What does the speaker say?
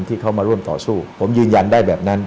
ที่เขามาร่วมต่อสู้ผมยืนยันได้แบบนั้น